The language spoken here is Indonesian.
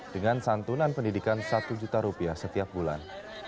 dengan santunan pendidikan satu juta rupiah setiap bulan